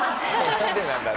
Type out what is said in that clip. なんでなんだろう？